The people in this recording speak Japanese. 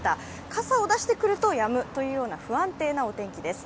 傘を出してくるとやむというような不安定なお天気です。